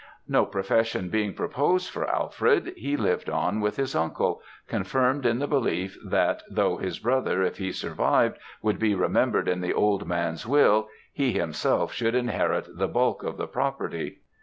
"No profession being proposed for Alfred, he lived on with his uncle, confirmed in the belief that though his brother, if he survived, would be remembered in the old man's will, he himself should inherit the bulk of the property.